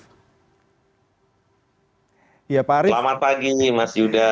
selamat pagi mas yudha